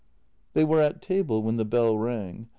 They were at table when the bell rang.